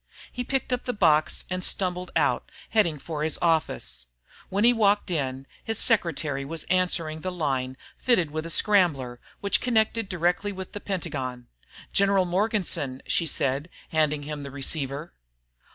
He picked up the box and stumbled out, heading for his office. When he walked in, his secretary was answering the line fitted with a scrambler, which connected directly with the Pentagon. "General Morganson," she said, handing him the receiver.